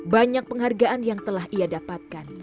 banyak penghargaan yang telah ia dapatkan